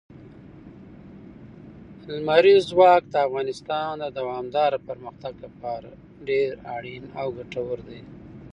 لمریز ځواک د افغانستان د دوامداره پرمختګ لپاره ډېر اړین او ګټور دی.